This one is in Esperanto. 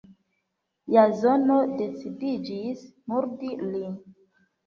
Jazono decidiĝis murdi lin.